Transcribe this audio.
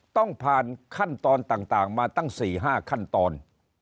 ต้องผ่านขั้นตอนต่างมาตั้ง๔๕ขั้นตอน